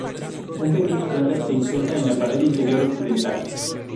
Un pequeño cráter se inserta en la pared interior occidental.